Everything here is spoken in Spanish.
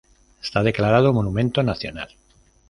Está declarado monumento nacional.